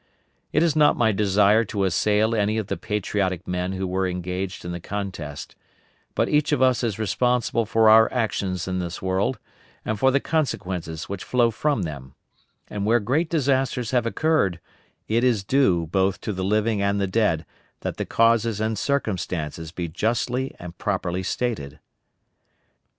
It is not my desire to assail any of the patriotic men who were engaged in the contest, but each of us is responsible for our actions in this world, and for the consequences which flow from them; and where great disasters have occurred, it is due both to the living and the dead that the causes and circumstances be justly and properly stated.